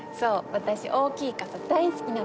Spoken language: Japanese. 私大きい傘大好きなの。